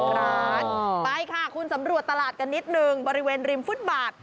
ร้านไปค่ะคุณสำรวจตลาดกันนิดนึงบริเวณริมฟุตบาท